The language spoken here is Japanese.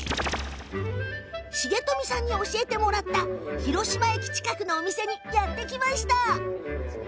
重富さんに教えてもらった広島駅近くのお店にやって来ました。